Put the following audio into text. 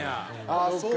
ああそうか。